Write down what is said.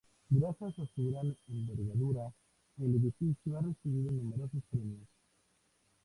Gracias a su gran envergadura el edificio ha recibido numerosos premios.